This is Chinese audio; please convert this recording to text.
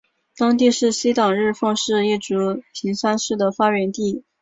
当地是西党日奉氏一族平山氏的发源地。